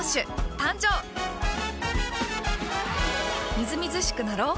みずみずしくなろう。